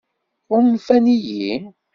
Ɣunfan-iyi?